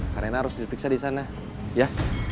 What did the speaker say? karena harus dipiksa disana ya